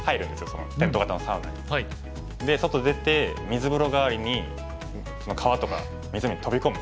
そのテント型のサウナに。で外出て水風呂がわりに川とか湖に飛び込む。